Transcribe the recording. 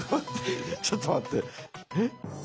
ちょっと待ってえ。